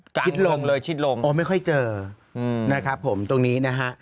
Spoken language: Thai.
คิดลงเลยคิดลงอ๋อไม่ค่อยเจอนะครับผมตรงนี้นะฮะ